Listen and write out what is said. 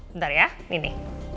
bentar ya ini